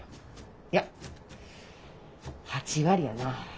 いや８割やな。